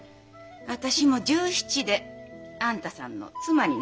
私も１７であんたさんの妻になりましたもんね。